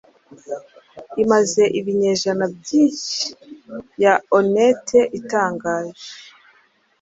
imaze ibinyejana byinhi ya onneti itangaje